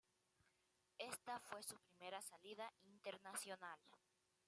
Ésta fue su primera salida internacional.